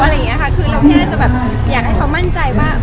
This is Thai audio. เราแค่อยากให้เขามั่นใจว่า